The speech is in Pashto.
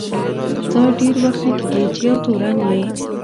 ستا ډېر وخت نه کیږي چي یو تورن یې.